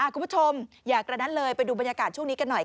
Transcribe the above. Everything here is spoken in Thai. คุณผู้ชมอยากกระนั้นเลยไปดูบรรยากาศช่วงนี้กันหน่อยค่ะ